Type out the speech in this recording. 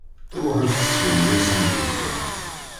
Ruḥet syin, i asen-d-yenna.